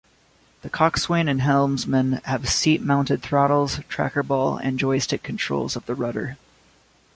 The coxswain and helmsman have seat-mounted throttles, trackerball and joystick controls of the rudder.